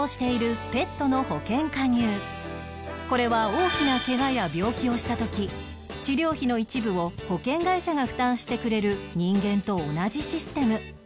これは大きなケガや病気をした時治療費の一部を保険会社が負担してくれる人間と同じシステム